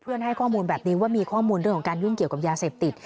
ให้ข้อมูลแบบนี้ว่ามีข้อมูลเรื่องของการยุ่งเกี่ยวกับยาเสพติด